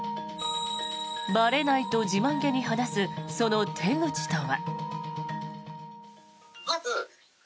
ばれないと自慢げに話すその手口とは。